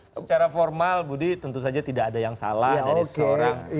secara formal budi tentu saja tidak ada yang salah dari seorang